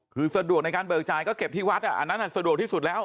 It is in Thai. คือสะดวกในการเบิกจ่ายก็เก็บที่วัดอันนั้นสะดวกที่สุดแล้ว